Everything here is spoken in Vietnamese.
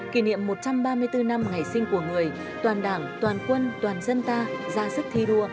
kỷ niệm một trăm ba mươi bốn năm ngày sinh của người toàn đảng toàn quân toàn dân ta ra sức thi đua